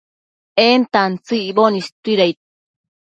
en tantsëc icboc istuidaid